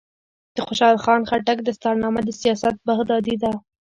د خوشحال خان خټک دستارنامه د سیاست بغدادي ده.